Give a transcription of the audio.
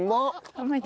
甘い！